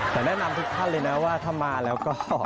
แต่แนะนำทุกท่านเลยนะว่าถ้ามาแล้วก็